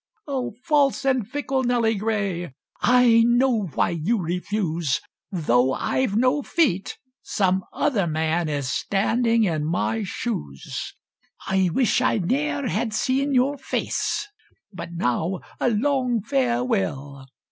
"O, false and fickle Nelly Gray! I know why you refuse: Though I've no feet some other man Is standing in my shoes!" "I wish I ne'er had seen your face; But, now, a long farewell!